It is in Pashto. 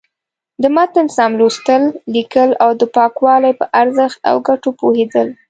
د متن سم لوستل، ليکل او د پاکوالي په ارزښت او گټو پوهېدل.